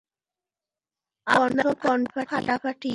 আপনার কন্ঠ ফাটাফাটি।